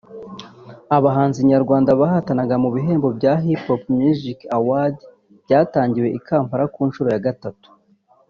Abahanzi nyarwanda bahatanaga mu bihembo bya Hipipo Music Awards byatangiwe i Kampala ku nshuro ya gatatu